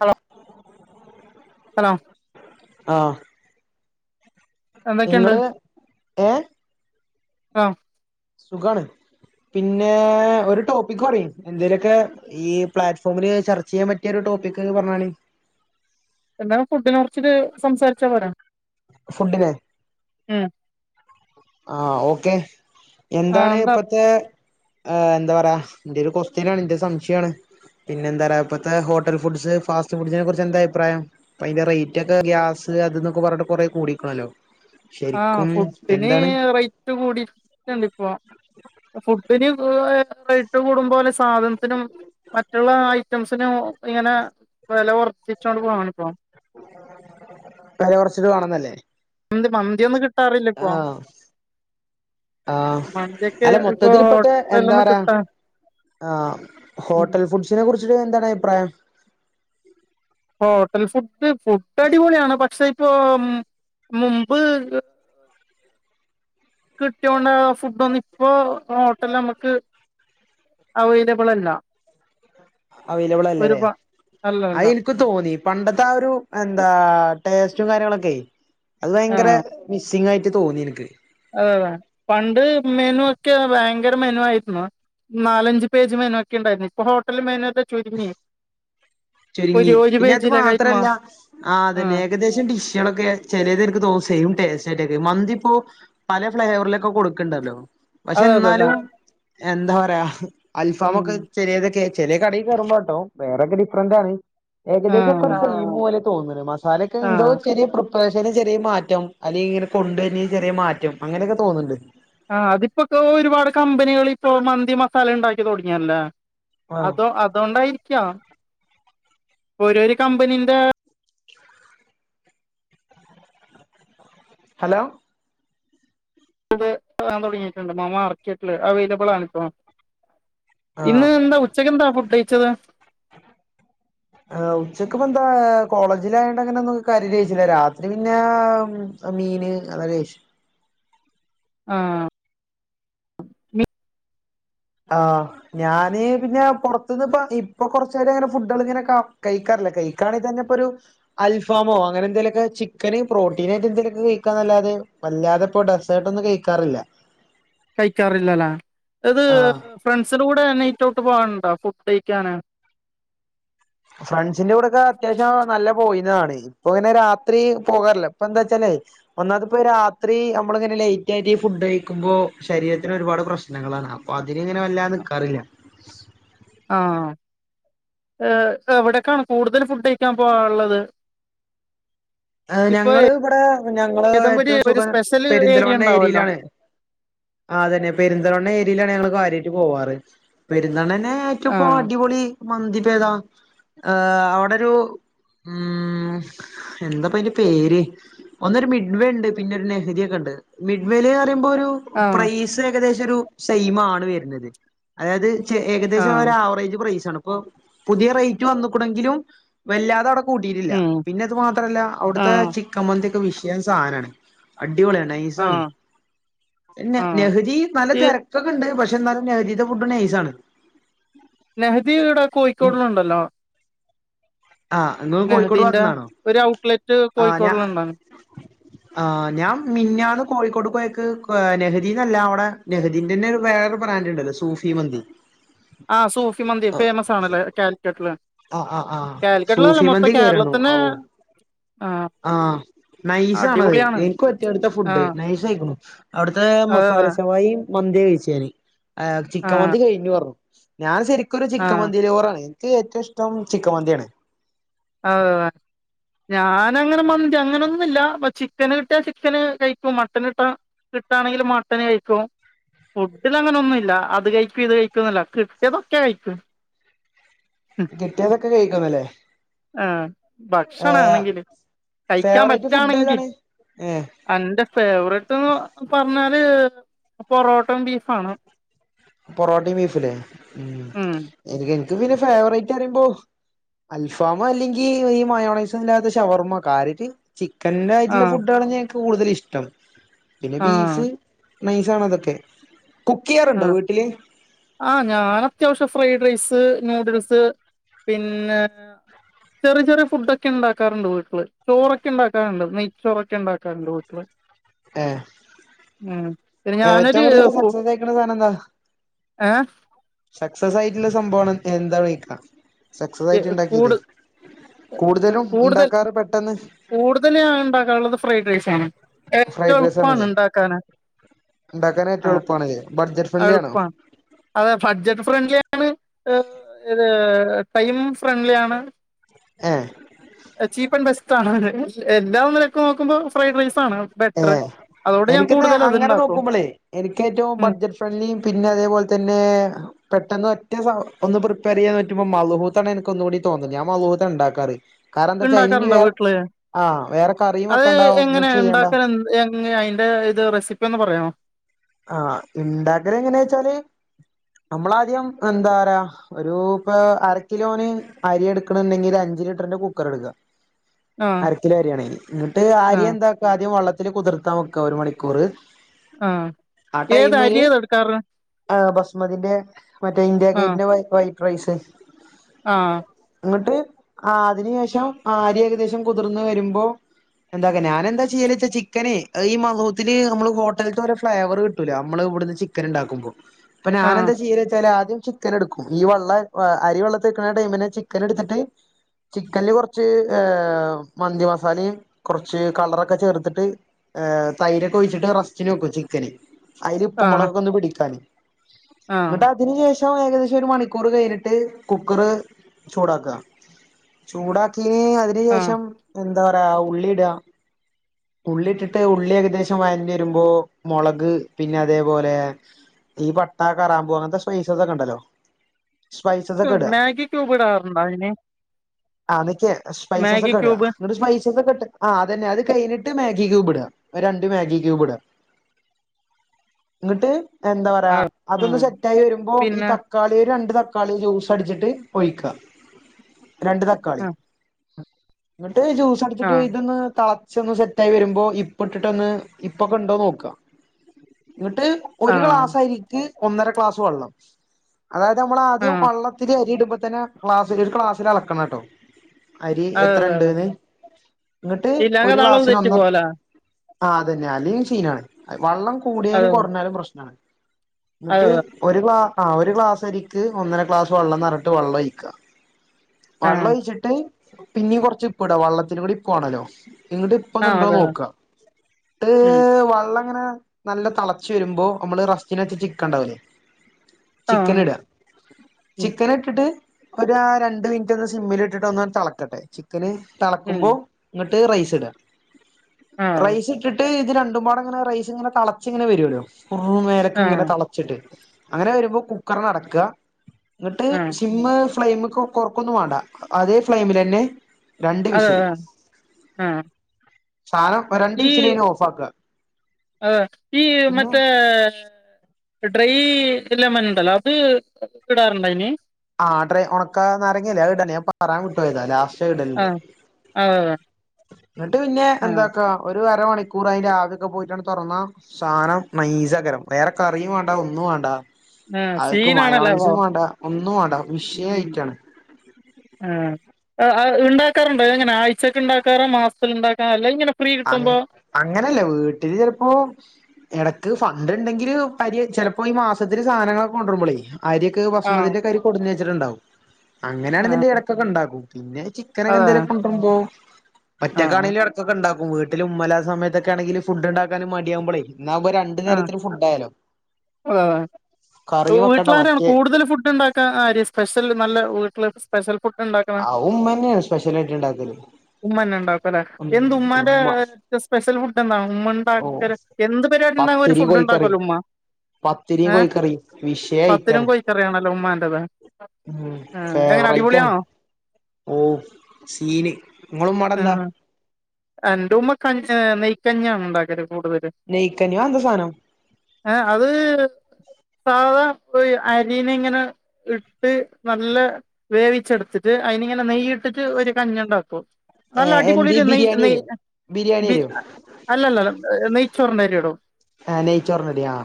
Hello hello ആഹ് നിങ്ങള് ഏ ആഹ് സുഗാണ് പിന്നെ ഒരു ടോപ്പിക് പറി എന്തേലുമൊക്കെ ഈ പ്ലാറ്റ്ഫോമില് ചർച്ച ചെയ്യാൻ പറ്റിയ ഒരു ടോ ടോപ്പിക് പറഞ്ഞാണി എന്ത ഫുഡിനെ കുറച്ച് സംസാരിച്ചാ പോരെ ഫുഡിനെ ഉം ആഹ ഓക്കെ ആ എന്താണ് എന്താ ഇപ്പത്തെ എന്താ പറയാ എന്റെ ഒരു കുഎസ്ടിഒൻ ആണ് എന്റെ സംശയണ് പിന്നെ എന്താ പറയാ ഇപ്പഴത്തെ ഹോട്ടൽ ഫുഡ്സ് ഫാസ്റ്റ് ഫുഡ്സെ കുറിച്ച് എന്താ അഭിപ്രായം അതിന്റെ റേറ്റ് ഒക്കെ ഗ്യാസ് അതൊക്കെ പറഞ്ഞട്ട് കുറേ കൂടിക്കണല്ലോ ആഹ ശരിക്കും ഫുഡിനെ എന്താണ് റൈറ്റ് കൂടിട്ടണ്ട് ഇപ്പോ ഫുഡിന് റെറ്റ് കൂടുമ്പോലെ സാധനം ദനത്തിനും മറ്റുള്ള ഐറ്റംസിനും ഇങ്ങനെ വില വർധിച്ചോണ്ട് പോവണിപ്പോ വില കുറച്ചിട്ട് വാണന്നല്ലേ മന്തി മന്തിയൊന്നും കിട്ടാറില്ല ഇപ്പോ ആഹ് മന്തിയൊക്കെ അല്ല ഇപ്പൊ ഹോട്ടല്ലൊന്നും [unintelligible] ആഹ ഹോട്ടൽ ഫുഡ്സിനെ കുറിച് എന്താണ് അഭിപ്രായം ഹോട്ടൽ ഫുഡ് ഫുഡ് അടിപൊളിയാണ് പക്ഷെ ഇപ്പൊ മുമ്പ് കിട്ടിയോണ്ട ഫുഡ ഒന്ന ഇപ്പൊ ഹോട്ടല നമ്മുക്ക് അവൈലബിൾ അല്ല അവൈലബിൾ ഒരു അല്ലേല്ലേ പ അല്ല അല്ല അത് എനിക്ക് തോന്നി പണ്ടത്തെ ആ ഒരു എന്താ ടേസ്റ്റും കാര്യങ്ങളൊക്കെ അത് ഭയങ്കര ആഹ് മിസ്സിംഗ് ആയിട്ട് തോന്നി എനിക്ക് അതതെ പണ്ട് മെനു ഒക്കെ ഭയങ്കര മെനു ആയിരുന്നു നാലഞ്ച പേജ് മേനു ഒക്കെ ഉണ്ടായിരുന്നു ഇപ്പൊ ഹോട്ടൽ മേനു ഒക്കെ ചുരുങ്ങി ഒരു ചുരുങ്ങി ഒരു പിന്നെ അത് പേജിലൊക്കെ ആയിട്ട് മാത്രല്ല മാറി ആ അതന്നെ ആഹ് ഏകദേശം ഡിഷുകളൊക്കെ ചിലത് എനിക്ക് സെയിം ടെസ്റ്റ് മന്തി ഇപ്പോ പല ഫ്ലേവറിലൊക്കെ കൊടുക്കണ്ടല്ലോ പക്ഷെ അതെ അതെ അതെ എന്നാലും എന്താ പറയാ അൽഫാമ് ഉം ഒക്കെ ചെലയതൊക്കെ ചെല കടയിൽ കേറുമ്പോ കേട്ടോ വേറെൊക്കെ [unintelligible] ഏകദേശം ഒക്കെ ആഹ് ഒരു പോലെ തോന്നുന്നത് മസാലൊക്കെ എന്തോ ആഹ് ചെറിയ [unintelligible] ചെറിയ മാറ്റം അല്ലെങ്കിൽ ഇങ്ങനെ കൊണ്ട് തന്നെ ചെറിയ മാറ്റം അങ്ങനെയൊക്കെ തോന്നുന്നുണ്ട് ആ അതിപ്പോക്ക ഒരുപാട് കമ്പനികൾ ഇപ്പോ മന്തി മസാല ഉണ്ടാക്കി തുടങ്ങിയല്ലേ ആഹ് അതോ അതൊണ്ടായിരിക്കാം ഓരോരു കമ്പനീന്റെ ഹലോ ഇത് താൻ തുടങ്ങിയിട്ടുണ്ട മാർക്കറ്റില് അവൈലബിൾ ആണിപ്പോ ഇന്ന് ആഹ് എന്താ ഉച്ചക്ക്ന്താ ഫുഡയിച്ചത് ആ ഉച്ചക്ക്പ്പോ എന്താ കോളേജിലായണ്ടങ്ങനെന്നൊ കാര്യയികയിച്ചില്ല രാത്രി പിന്നെ മീന് അതേഷം ആഹ ആ് ഞാന് പിന്നെ പുറത്തുന്ന് ഇപ്പ ഇപ്പൊ കൊറച് ഏറെയി അങ്ങനെ ഫുഡുകൾ ഇങ്ങനെ കഴിക്കറ കഴിക്കാണെക്കിൽ തന്നെ ഇപ്പോരു അൽഫാമോ അങ്ങനെ എന്തലൊക്കെ ചിക്ക പ്രോട്ടീനായിട്ട് എ ന്തെങ്കിലുമൊക്കെ കഴിക്കാന്നല്ലാതെ അല്ലാതിപ്പോ ഡെസർട് ഒന്നും കഴിക്കാറില്ല കഴിക്കാറില്ലല്ല അത് ആഹ് ഫ്രണ്ട്സിന്റെ കൂടെ തന്നെ ഇടോട്ട് പോകാനുണ്ടോ ഫുഡ് കഴിക്കാന് ഫ്രണ്ട്സിന്റെ കൂടെക്കെ അത്യാവശ്യം നല്ല പോയി ഇപ്പ ഇങ്ങനെ രാത്രി പോകാറില്ല ഇപ്പ എന്താ വെച്ചാലേ ഒന്നതിപ്പോ രാത്രി നമ്മള ഇങ്ങനെ ലറ്റ് റ്റായിട്ട് ഫുഡ് കഴിക്കുമ്പോ ശരീരത്തിന് ഒരുപാട് പ്രശ്നങ്ങളാണ് അപ്പൊ അതിന് ഇങ്ങനെ വല്ലത നിക്കാറില്ല ആഹ ഏർ എവിടെക്കാണ് കൂടുതൽ ഫുഡ് കഴിക്കാൻ പോവാറുള്ളത് ഞങ്ങള് ഇവിടെ ഞങ്ങള് ഏതെങ്കിലും ഒരു ഏറ്റവും ഒരു സുഖം സ്പെഷ്യൽ ഏരിയ പെരിന്തൽമണ്ണ ഉണ്ടാവല്ലോ ഏരിയയിലാണ് ആതന്നെ പെരുന്ത ൽമണ്ണ ഏരിയയിലാണ് ഞങ്ങള് കാര്യമായിട്ട് പോവാറ് പെരുന്നാണനെ ഏറ്റവും ആഹ് അടിപൊളി മന്തിഭേദാ അവിടെരു ഉം എന്താപ്പ അതിന്റെ പേര് ഒന്നൊരു മിഡവേ ഉണ്ട് പിന്നെ ഒരു നെഹരിൊക്കെ ഉണ്ട് മിഡ്വേല് പറയ്പോരു ആഹ് പ്രൈസ് ഏകദേശം ഒരു സെയ്മണ് വരുന്നത് അതായത് ആഹ് ഏകദേശംവറേജ് പ്രൈസ് ഇപ്പ പുതിയ റേറ്റ് വന്നക്കണെങ്കിലും വല്ലാത കൂട്ടിയിട്ടില്ല ഉം പിന്നെ അത് മാത്രല്ല അവിടുത്തെ ആഹ് ചിക്ക മന്തിക്കെ വിഷിയൻ സാധനമാണ് അടിപൊളിയ നെയ്സണ് ആഹ് ആഹ് നഹരി നല്ല ഈ തിരക്കക്കെണ്ട് പക്ഷ എന്നാലുനേഹജി ലെ ഫുഡ് നൈസണ് നെഹദി ഇവിടെ കോഴിക്കോടിലുണ്ടല്ലോ ആഹ് നിങ് കോഴിക്കോട് നെഹദീന്റെ ഭാഗത്തുന്നതാണോ ഒരു ഔട്ട്ലെറ്റ് ആ ഞാ കോഴിക്കോടിലുണ്ടാണ് ആ് ഞാൻ മിൻഞാന്ന് കോഴിക്കോട്ട പോയ നെഹദീന്നല്ല അവിടെ നെഹദീന്റെ തന്നെ വേറെ ബ്രാൻഡ് ഉണ്ടല്ലോ സൂഫി മന്തി ആഹ സൂഫി മന്തി ഫേമസ് ആണല്ലേ കാലിക്കട്ടില് ആ ആ ആ കാലിക്കട്ടിലല്ല സൂഫി മൊത്തം മന്തി കയറണു കേരളത്തിന് ആഹ് ആ നൈസ് ആണത് അടിപൊളിയാണ് എൻക്ക് പറ്റിഓൽത്തെ ഫുഡ് ആഹ് നൈസ ആയിക്ക്ണു. അവ്ട്ത്തെ അതെ മസാല അതെ ഷവായി മന്തി കഴിചെ ഞാന് ആ ചിക്ക ആഹ് മന്തി കഴിഞ്ഞു പറഞ്ഞു. ഞാൻ ശരികൊര് ചിക്ക ആഹ് മന്തി ലവ്വറാണ് ൻക്ക് ഏറ്റോ ഇഷ്ടം ചിക്ക മന്തിആണ്. ഓ അ. ഞാൻ അങ്ങനെ മന്തി അങ്ങനൊന്നുല്ല പ്പ ചിക്കന് കിട്ട്യാ ചിക്കന് കയിക്കും മട്ടന് കിട്ടാ കിട്ടാണെങ്കില് മട്ടനയ് ക്കു. ഫുഡില് അങ്ങനെന്നുയില്ല അത് കയിക്കും ഇത് കയിക്കു ന്നല്ല കിട്ട്യാതൊക്കെ കഴിക്കും. കിട്ടിതൊക്കെ കഴിക്കന്നല്ലെ? ആഹ് ഭക്ഷണ ആണെങ്കില് കഴിക്കാ ഫേവറേറ്റ് ഫുഡ് പറ്റണെങ്കി ഏതാണ് ഏഹ് അന്റെ ഫേവറ്റോന്ന് പർ ന്നാല് പൊറോട്ടം ബീഫാണോ? പൊറോട്ടയും ബീഫുലെ മ് ഉം എനി എൻക്ക് പിന്നെ ഫേവറേറ്റ് അറിയുമ്പോ അൽഫാമൊ അല്ലെങ്കി ഈ മയോണൈസൊ ല്ലാതെ ഷവർമ കാര്യറ്റ് ച്ചി ആയിറ്റ്ള്ള ആഹ് ഫുഡാ ഞ്ഞൻക് കൂടുതല ഇഷ്ടം പിന്നെ ആഹ് ബീഫ് നൈസ് ആണോ അതൊക്കെ കുക്കെയ്യാറുണ്ടോ വീ ആഹ ഞാൻ അത്യാവശ്യം ഫ്രൈഡ് റൈസ് ത് നൂഡിൽസ് പിന്നെ ചെറ്യേ ചെറ്യേ ഫുഡ്ക്കെ ണ്ടാക്കാറ്ണ്ട് വീട്ട്ല് ചോറൊക്കെ ഉണ്ടാക്കാറ്ണ്ട് നെയ് ചോറൊക്കെ ഉണ്ടാക്കാറ്ണ്ട് വീട്ട്ല്. ഏഹ് ഉം പിന്നെ ഞാനൊര് ഫു ന്ന് ന്താ സക്സസ് ആയിട്ട്ള്ള സംഭവണ് എന്താ വെയ്ക. സക്സസ് ആയിറ്റ് ണ്ടാക്കിയത് ത് കൂടുതൽ കൂടുതല് ണ്ടാക്കാള്ളത് ഫ്രൈഡ് റൈസാണ്. ഏറ്റവും ഫ്രൈഡ് റൈസ് എളുപ്പാണ് ആണല്ലേ ണ്ടാക്കാന്. ഉണ്ടാക്കാൻ ആ ഏറ്റവും എളുപ്പമാണല്ലേ ബഡ്ജറ്റ് ഫ്രണ്ട്ലി ആണോ അൾപ്പ അത് ബഡ്ജറ്റ് ഫ്രണ്ട്‌ലി ഇത് ഏ ടൈമും ഫ്രണ്ട്ലി ആണ്. ഏഹ് ചീപ്പ് ആൺ ബെസ്റ്റ് ആണ് എല്ലാ ഒന്നിലെക്ക്‌ നോക്കുമ്പോ ഫ്രൈഡ് റൈസ് ബെറ്ററ് എനിക്കന്ന് അങ്ങനെ നോക്കുമ്പോളെ എനിക്ക് ഏറ്റവും ഉം ബഡ്ജറ്റ് ഫ്രണ്ട്ലിം പിന്നെ അതേപോൽ തെന്നെ പെ ട്ടന്ന് ഒറ്റ സൗ ഒന്ന് പ്രിപേർ പറ്റുമോ മള്ഹൂത്തെന്നെ എനക്ക് ഒന്നുകൂടി തോന്നത് ഞ മള്ഹുതാ ണ്ടാക്കാറ്. കാരന്താ ച്ചാ ഐനിനി ഉണ്ടാക്കാറുണ്ടോ വേറെ വീട്ടില് ആഹ് വേറെ കറിയും വെക്കേണ്ട ഒന്നും ചെയ്യണ്ട. ഏ എങ് അയിന്റെ ഇത് റെസിപ്പി ഒന്ന് പറയോ.? ആഹ് ണ്ടാക്കല്ങ്ങനെച്ചാല് നമ്മളാദ്യം എന്താ റയാ ഒരു ഇപ്പ അര കിലോന് അരിയെ ട്ക്ണണ്ടെങ്കില് അ ഞ്ച് ലിറ്ററിന്റെ കുക്കറെടുക്ക ആഹ് അര കിലോ അരി ആണെങ്കി ന്ന്ട്ട് ആ അരി ആഹ് എന്താക ദ്യം വെള്ള ത് രി കുതിർത്താൻ വെക്ക ഒരു മണിക്കൂറ് ആ ആഏത് അരിയ എട്ക്കാറ്.? മതിന്റെ മറ്റേ ഇന്ത്യഗേറ്റ്ന്റെ വൈ വൈറ്റ് റൈസ്. ആ ന്ന്ട്ട് ആ അതിന് ശേഷം ആഅരി ഏകദേശം കുതിർന്ന് വെരുമ്പോ എന്താ കെന്ന ഞാനെന്താ ചെയ്യല്ച്ചാ ചിക്കനെ അ ഈ മള്റൂത്തില് അമ്മള് ഹോട്ടലൽത്തെ രോ ഫ്ലെവറ് കിട്ടൂല അമ്മള് ഇവിടുന്ന് ചിക്കൻ ണ്ടാക്കുമ്പോ പൊ ആഹ് ഞാനെന്താ ചെയ്യല്ച്ചാല് ആദ്യം ചിക്കൻ എടുക്കും ഈ വള്ളെ അരി വെള്ളത്തിക്കണ ടൈമിന് ചിക്കൻ എടുത്തിട്ട് ചിക്കൻല്ല് കൊറച്ച് ഏ ഹ് മന്തി മസാലിം കൊറച്ച് കളറൊക്കെ ചേർത്ത്ട്ട് ഏ തൈരൊകൊഴിച്ചിട്ട് റസ്റ്റിന് വെകുച്ചി ക്കന് ആയില് ആഹ് പ്പുംമോളോകൊക്കൊന്ന് പിടിക്കാന് ആഹ് ന്ന്ട്ട് അതിന് ശേഷ് പ്പൊ ഏകദേശം ഒരു മണിക്കൂർ കയ്നിട്ട് കുക്കറ് ചൂടാക്കാ ചൂടാക്കി ഏ അതിന് ആഹ് ശേഷം എർ എന്താ പറയാ ഉള്ളിട ഉള്ളിട്ടിട്ട് ഉള്ളി ഏകദേശം വയന്നെരുമ്പോ മൊളക് പിന്നെ അതെപോലെ ഈ പട്ട കറാമ്പൂ അത്തെ സ് പൈസ്കൊകൊണ്ടല്ലോ മാഗി ക്യൂബ് ഇടാറുണ്ടോ അയിന് ആതിക്കെ സ്‌പൈസസ് ഒക്കെ ഇട എന്നിട്ട് സ്പൈസസ് ഒക്കെ ഇ ട്ട് ആ അതന്നെ അത് കഴിഞ്ഞിട്ട് മാഗി ക്യൂബ് ഇട രണ്ട് മാഗി ക്യൂബ് ഇട ഇന്ന്ട്ട് എന്താ പറയാ ആഹ് അതൊന്ന് ആഹ് സെറ്റായി വരുമ്പോ ഈ പിന്നെ തക്കാളി ഒരു രണ്ട് ത ക്കാളി ജൂസ് അടിച്ചിട്ട് ഒഴിക്ക രണ്ട് തക്കാളി ആഹ് ഇന്ന് ട്ട് ജ്യൂസ് അടിച്ചിട്ട് ആഹ് ഇതൊന്ന് തളച്ച് ഒന്ന് സെറ്റായി വരുമ്പോ ഉപ്പ് ഇട്ടിട്ട് ഒന്ന് ഉപ്പൊക്കെണ്ടോന്ന് നോക്ക ഇന്ന്ട്ട് ഒരു ആഹ് ക്ലാസ് അരിക്ക് ഒന്നര ക്ലാസ് വെള്ളം അതായത് നമ്മള് ആദ്യം ആഹ് വള്ളത്തില് അരി ഇടുമ്പോതന്നെ ക്ലാസ്സില് ഒരു ക്ലാസ്സില് അളക്കണം ട്ടോ അരി അതെ എത്ര അതെ അതെ ഇണ്ട്ന്ന് ഇന്ന്ട്ട് ഇല്ലാങ്ക ഒരു അളവ് ക്ലാസ്സിന് തെറ്റി ഒന്ന് പോവലാ ആ അതന്നെ അല്ലെങ്കിൽ സീനാണ് വള്ളം കൂടിയാലും അതെ കൊറഞ്ഞാലും പ്രശ്നാ അതെ ഇന്നിട്ട് അതെ ഒരു ഗ്ലാ ആ ഒരു ഗ്ലാസ്‌ അരിക്ക് ഒന്നര ഗ്ലാസ്‌ വെള്ളം ന്നാറിഞ്ഞിട്ട് വെള്ളം ഒഴിക്ക വള്ളം ആഹ് ഒഴിച്ചിട്ട് പിന്നീം കൊറച്ച് ഉപ്പ് ഇടാ വെള്ളത്തിലും കൂടി ഉപ്പ് വേണല്ലോ ഇന്നാട്ട് ഉപ്പ് ആഹ് ഇണ്ടോന്ന് അതെ നോക്ക ട്ട് ഉം വള്ള അങ്ങനെ നല്ല തളച്ചു വരുമ്പോ നമ്മള് റസ്റ്റീന് വച്ച ചിക്കൻ ഇണ്ടാവൂലേ ചിക്കൻ ആഹ് ഇടാ ഉം ചിക്കൻ ഇട്ടിട്ട് ഒരാ രണ്ട് മിനിറ്റ് ഒന്ന് സിമ്മിൽ ഇട്ടിട്ട് ഒന്നിങ്ങട് തെളക്കട്ടെ ചിക്കന് ഉം തെളക്കുമ്പോ ഇന്ന് ട്ട് റൈസ് ഇടാ ആഹ് റൈസ് ഇട്ടിട്ട് ഇത് രണ്ടുംപടെ ഇങ്ങനെ റൈസ് ഇങ്ങനെതെളച്ച് ഇങ്ങനെ വരോല്ലോ കുറും മേലക്ക് ഇങ്ങനെ ആഹ് തെളച്ചിട്ട് അങ്ങനെ വരുമ്പോ കുക്കറ് ഒന്നാടാക്ക എന്ന്ട്ട് ആഹ് സിമ്മ് ഫ്ലെയിമ് കൊറക്കൊന്നും വേണ്ട അതേ ഫ്ലൈമിലെന്നെ അതെലേ ആ സാധനം രണ്ട് വിസില് കഴിഞ്ഞാൽ ഓഫ് ആക്കാ അതെ ഈ മറ്റേ ഡ്രൈ ലെമൺ ഇണ്ടല്ലോ അത് ഇടാറുണ്ട അയിന് ആ ഡ്രൈ ഒണക്കാ നാരങ്ങല്ലേ അത് ഇടല് ഞാൻ പറയാൻ വിട്ടുപോയതാ ലാസ്റ്റ് ഇടെണ്ട് ആഹ് അതെ അതെ എന്നിട്ട് പിന്നെ ആഹ് എന്താക്ക ഒരു അരമണിക്കൂർ അതിന്റെ ആവിഒക്കെ പോയിട്ടാങ്ങ് തുറന്ന സാധനം നൈസകരം വേറെ കറിയും വേണ്ട ഒന്നും വേണ്ട ആഹ് അത്ക്ക് സീനാണല്ലോ അപ്പൊ മയോനൈസും വേണ്ട ഒ ന്നും വണ്ട ഉഷിയ ഉം ആയിറ്റാണ് ആ ഉണ്ടാക്കറുണ്ട് എങ്ങനെ ആഴ്ചക്ക് ഇണ്ടാക്കാറ് മാസത്തിൽ ഇണ്ടാക്കാ അല്ല ഇങ്ങനെ ഫ്രീ അങ്ങ കിട്ടുമ്പോ അങ്ങനെയല്ലേ വീട്ടില് ചിലപ്പോ എടക്ക് ഫണ്ട് ഇണ്ടാങ്കില് പര്യ ചിലപ്പോ ഈ മാസത്തില് സാധനങ്ങളൊക്കെ കൊണ്ടുവരുമ്പോളേ അരി ഒക്കെ ആഹ് ബസ്മതിന്റെ അരി ഒക്കെ കൊടു ന്ന് വെച്ചിട്ടുണ്ടാവും അങ്ങനെയാണേന്ന് ആഹ് ഇണ്ടേൽ ഇടക്കൊക്കെ ഉണ്ടാകും പിന്നെ ചിക്കനൊക്കെ അതെ എന്തെലും ഒക്കെ കൊണ്ടിരുമ്പോ ആഹ് ഒറ്റക്കണെങ്കിലും ഇടക്കഓക്കേ ഉണ്ടാക്കും വീട്ടിൽ ഉമ്മ ഇല്ലത്ത സമയത്തൊക്കെ ആണേങ്കില് ഫുഡ് ഉണ്ടാക്കാൻ മടിയാകുമ്പോഴേ ഇന്നാമ്പോ രണ്ടു ആഹ് നേരത്തിന് ഫുഡ് ആയാല്ലോ വീട്ടില് ആരാണ് കൂടുതൽ ഫുഡ് ഉണ്ടാക്കാ ആര് സ്പെഷ്യൽ നല്ല വീട്ടില് സ്പെഷ്യൽ ഫുഡ് ഇണ്ടാക്കണ അത് ഉമ്മാന്നെയാണ് സ്പെഷ്യലായിട്ട് ഇണ്ടാക്കല് തന്നെ എന്ത് ഉമ്മാന്റെ സ്പെഷ്യൽ ഫുഡ് എന്താണ് ഉമ്മ ഓ ഉണ്ടാക്കല് എന്ത് പരിപാടി ഉണ്ടാവുമ്പോഴും ഒരു പത്തിരിയും ഫുഡ് ഉണ്ടാക്കല്ലോ കോഴിക്കറിയും ഉമ്മാ പത്തിരിയും ഏ കോഴിക്കറിയും വിഷയ പത്തിരിം ഐറ്റാണ് കോഴിക്കറിയും ആണല്ലോ ഉമ്മാന്റെത് ഉം എങ്ങനെ ഫേവറേറ്റ് അടിപൊളി ആണ് ആണോ ഓ സീന് നിങ്ങളാ ഉമ്മാടെ എന്താ ആഹ് എന്റെ ഉമ്മ കഞ്ചേ നെയ്യ്ക്കഞ്ഞി ആണ് ഇണ്ടാക്കല് കൂടുതല് നെയ്ക്കഞ്ഞി അത് എന്താ സാധനം ഏ അത് സാധാ അരിനെ ഇങ്ങനെ ഇട്ട് നല്ല വേവിച്ചെടുത്തിട്ട് അയിന് ഇങ്ങനെ നെയ് ഇട്ടിട്ട് ഒരു കഞ്ഞി ഉണ്ടാക്കും ഏ നല്ല എന്ത് അടിപൊളിടെ നെയ്യ് ബിരിയാണി തരോ നെയ്യ് ബിരിയാണി ബി തരോ ഏ അല്ലല്ല നെയ്യ്ച്ചോറിന്റെ അരിയിടും ആ നെയ്യ്ച്ചോറിന്റെ അരി ആ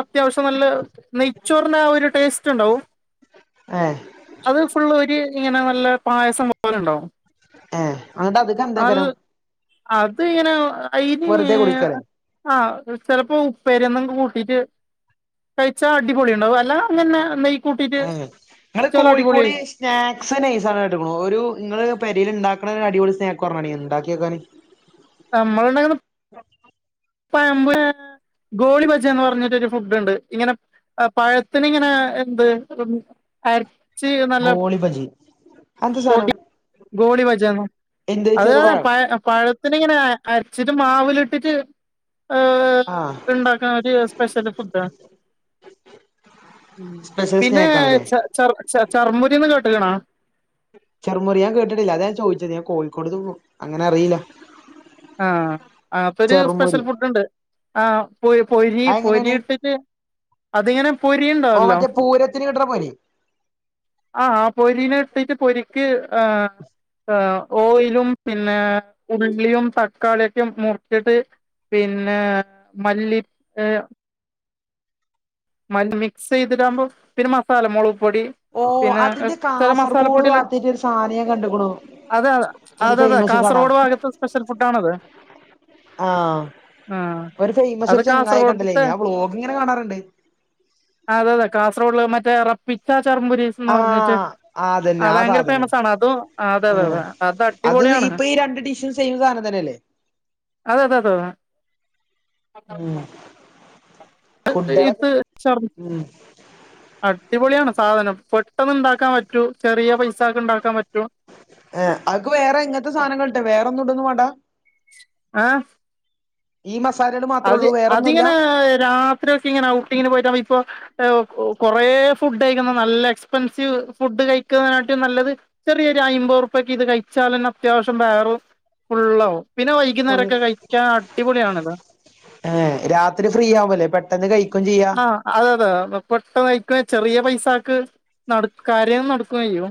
അത്യാവശ്യം നല്ല നെയച്ചോറിന ആ ഒരു ടേസ്റ്റ് ഉണ്ടാവും ഏ അത് ഫുൾ ഒരു ഇങ്ങനെ നല്ല പായസം പോലെ ഉണ്ടാവും ഏ അങ്ങിട്ട് അതക്കെ അൽ എന്താക്കരം അത് ഇങ്ങനെ ഇനി കുടിക്കാലേ ആ ചിലപ്പോ ഉപ്പേരി ഒന്ന കൂട്ടിട്ട് കഴിച്ചാൽ അടിപൊളി ഉണ്ടാവും അല്ല അങ്ങനെ നെയ ആ ഞങ്ങള് കോഴിക്കോട് സ്നാക്സ് നൈസണ് എടുക്കണ ഒരു ഇങ്ങള് പരിൽ ഇണ്ട അടിപൊടി സ്നാക്ക്ക്കറഞ്ഞണീ ഉണ്ടാക്കിയൊക്കന് നമ്മൾ ഉണ്ടാക്കുന്നത് പമ്പ ഗോളിബജ എന്ന് പറഞ്ഞിട്ടരു ഫുഡ്ണ്ട് ഇങ്ങനെ പഴത്തിന് ഇങ്ങനെ എന്ത് നല്ല ഗോളിബജി ഗോളി വചാന്ന എന്ത് അത്തെ പ ചെറുപഴം പഴത്തിന് ഇങ്ങനെ അച്ചിട്ട് മാവി ലി ഇട്ടാട്ട് ആഹ് ഉണ്ടുന്ന സ്പെഷ്യൽ ഫുഡ ഉ സ്പെഷ്യൽ പിന്നെ സ്നാക്ക് ആണ്ല്ലേ ച ചർമ്മുരിൊന്ന് കേട്ടുകണാ ചെറുമുറൻ കേട്ടിട്ടില്ല അത ഞാൻ ചോദിച്ചത് ഞാൻ കോഴിക്കോട് പോും അങ്ങനെ അറിയില്ല ആഹ അങ്ങനത്തെൊരു സ്പെഷ്യൽ ചെറുമുരി ഫുഡ് ഉണ്ട് ആഹ പൊരി പൊരി അതെങ്ങനെയാണ് ഇട്ടിട്ട് അതിങ്ങനെ ഓ പൊരിണ്ടാവല്ലോ മറ്റേ പൂരത്തിന് കിട്ടണ പോലെ ആഹ ആ പോരിനെ എടുത്തിട്ട് പോരി പൊരിക് ഓയിലും പിന്നെ ഉള്ളിയും തക്കാളിയൊക്കെ മുറിച്ചിട്ട് പിന്നെ മല്ലി ഏ മല്ലി മിക്സ് ചെയ്തിടാകുമ്പോ പിന്നെ മസാല മുളക് പൊടി ഓ പിന്നെ അതിന്റെ ചില കാസർകോഡ് മസാലപ്പൊടികൾ വാത്തിൻ്റൊരു സാനെ നാകണ്ട്ക്ക്നു അതെ അത അതെ കാസർഗോഡ ഭാഗത്ത് സ്പെഷ്യൽ ഫുഡ് ആണത് ആഹ ഒരു ഫെയ്മസ് അത് ഒരു ചെങ്ങായ കണ്ടല്ലേ കാസർഗോഡത്തെ ഇനി ആ ബ്ലോഗ് ഇങ്ങനെ കാണാറുണ്ട് അതെ അതെ കാസർഗോഡ മറ്റേ റപ്പിച്ച [unintelligible] എന്ന് പറഞ്ഞിട്ട് ആഹ് ആ അതന്നെ ഭയങ്കര സാധനം ഫേമസ് ആണ് അത അതെ അതെ ആഹ് അതെ അത് അടിപൊളിയാണ് ഇപ്പൊ ഈ രണ്ട് ഡിഷും സെം സാധനം തന്നെയല്ലേ അത അതെ [unintelligible] [unintelligible] ഫുഡ്‌ളക്കെ ഇത് ഉം അടിപൊളിയാണ് സാധനം പെട്ടെന്ന് ഉണ്ടാക്കാൻ പറ്റൂ ചെറിയ പൈസാക്ക് ഉണ്ടാക്കാൻ പറ്റും ഏ അക്ക് വേറെ ഇങ്ങനത്തെ സാധനങ്ങൾിട്ട് വേറെന്നും ഇടൊന്നും വേണ്ട [unintelligible] ഈ മസ് അത് അതിങ്ങനെ രാത്രി ഒക്കെ ഇങ്ങനെ ഔട്ടിങ്ങിന് പോയിട്ട് [unintelligible] ഇപ്പൊ കൊറേ ഫുഡ് കഴിക്കുന്ന നല്ല എക്സ്പെൻസീവ് ഫുഡ് കഴിക്കുന്നതിനായിട്ടും നല്ലത് ചെറിയ അയിമ്പ്രൊപ്യക്ക് ഇത് കഴിച്ചാലന്നെ അത്യാവശ്യം വയറും ഫുള്ളാവും പിന്നെ ഫുൾ വൈകുന്നേരക്കെ കഴിക്ക്യാൻ അടിപൊളിയാണത് ഏഹ് രാത്രി ഫ്രീ [unintelligible] ആവുമല്ലേ പെട്ടെന്ന് കഴിക്കും ചെയ്യാ ആ അതതെ പെട്ടെന്ന് [unintelligible] ചെറിയ പൈസാക്ക് [unintelligible] കാര്യ നടക്കുവയ്യോ